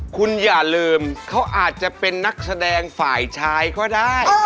คุณอย่าลืมเขาอาจจะเป็นนักแสดงฝ่ายชายก็ได้